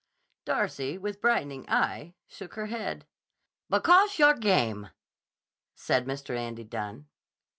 Darcy, with brightening eye, shook her head. "Because yah'r game," said Mr. Andy Dunne.